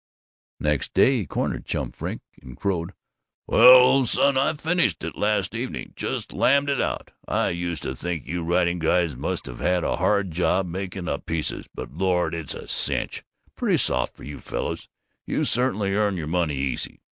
Next day he cornered Chum Frink and crowed, "Well, old son, I finished it last evening! Just lammed it out! I used to think you writing guys must have a hard job making up pieces, but Lord, it's a cinch. Pretty soft for you fellows; you certainly earn your money easy!